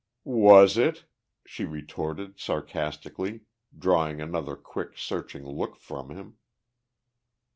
"Was it?" she retorted sarcastically, drawing another quick, searching look from him.